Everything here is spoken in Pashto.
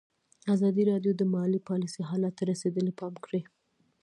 ازادي راډیو د مالي پالیسي حالت ته رسېدلي پام کړی.